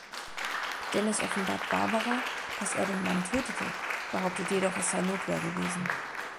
Dennis offenbart Barbara, dass er den Mann tötete, behauptet jedoch, es sei Notwehr gewesen.